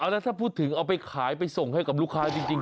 แล้วถ้าพูดถึงเอาไปขายไปส่งให้กับลูกค้าจริง